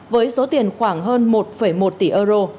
với số tiền khoảng hơn một một tỷ euro